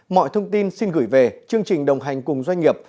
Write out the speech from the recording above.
mọi thông tin xin gửi về chương trình đồng hành cùng doanh nghiệp